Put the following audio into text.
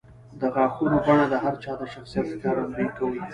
د غاښونو بڼه د هر چا د شخصیت ښکارندویي کوي.